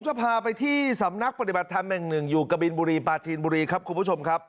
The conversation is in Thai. จะพาไปที่สำนักปฏิบัติธรรมแห่งหนึ่งอยู่กะบินบุรีปลาจีนบุรีครับคุณผู้ชมครับ